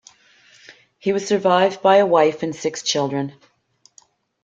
He was survived by a wife and six children.